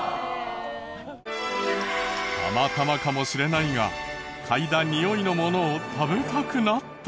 たまたまかもしれないが嗅いだにおいのものを食べたくなった。